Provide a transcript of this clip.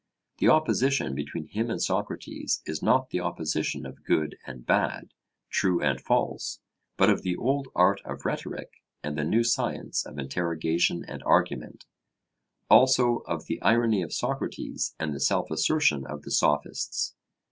The opposition between him and Socrates is not the opposition of good and bad, true and false, but of the old art of rhetoric and the new science of interrogation and argument; also of the irony of Socrates and the self assertion of the Sophists.